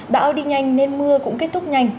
bão đi nhanh nên mưa cũng kết thúc nhanh